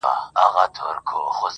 • قانون هم کمزوری ښکاري دلته..